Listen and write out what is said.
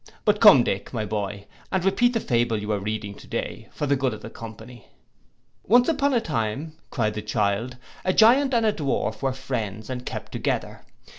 But come, Dick, my boy, and repeat the fable that you were reading to day, for the good of the company.'. 'Once upon a time,' cried the child, 'a Giant and a Dwarf were friends, and kept together.